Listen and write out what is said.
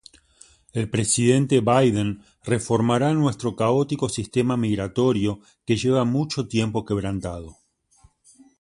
El presidente Biden reformará nuestro caótico sistema migratorio que lleva mucho tiempo quebrantado.